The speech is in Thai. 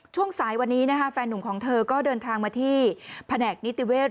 ช่วงสายวันนี้แฟนหนุ่มของเธอก็เดินทางมาที่แผนกนิติเวศ